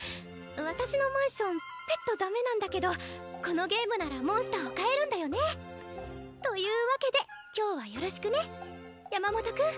私のマンションペットダメなんだけどこのゲームならモンスターを飼えるんだよね？というわけで今日はよろしくね山本君。